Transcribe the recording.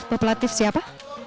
bapak latif siapa